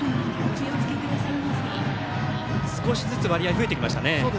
少しずつ割合が増えてきましたね。